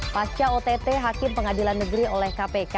pasca ott hakim pengadilan negeri oleh kpk